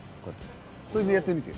それでやってみて。